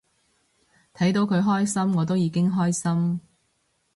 睇到佢開心我都已經開心